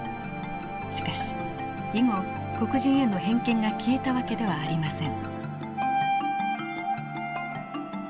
しかし以後黒人への偏見が消えた訳ではありません。